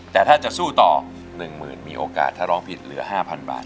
แต่ถ้าจะสู้ต่อ๑หมื่นมีโอกาสถ้าร้องผิดเหลือ๕๐๐บาท